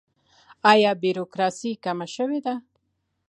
آیا بروکراسي کمه شوې ده؟